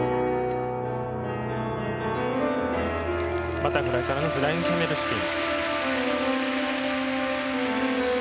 バタフライからのフライングキャメルスピン。